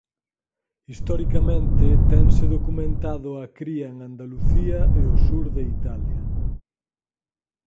Historicamente tense documentado a cría en Andalucía e o sur de Italia.